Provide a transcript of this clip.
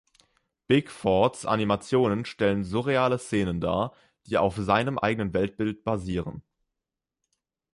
Bickfords Animationen stellen surreale Szenen dar, die auf seinem eigenen Weltbild basieren.